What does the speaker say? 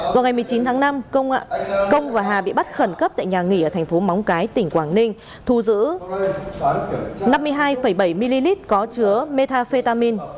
vào ngày một mươi chín tháng năm công và hà bị bắt khẩn cấp tại nhà nghỉ ở thành phố móng cái tỉnh quảng ninh thu giữ năm mươi hai bảy ml có chứa metafetamin